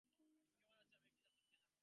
তুমি কেমন আছ, আমাকে একটি ছত্র লিখিয়া জানাও।